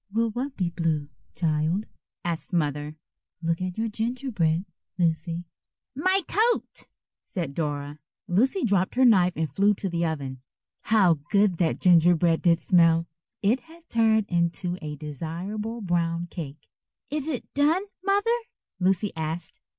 "Will what be blue, child?" asked Mother. "Look at your gingerbread, Lucy." "My coat," said Dora. Lucy dropped her knife and flew to the oven. How good that gingerbread did smell! It had turned into a desirable brown cake. "Is it done, Mother?" Lucy asked.